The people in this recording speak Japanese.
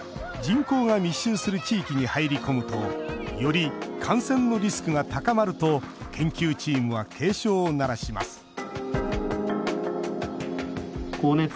人口が密集する地域に入り込むとより感染のリスクが高まると研究チームは警鐘を鳴らします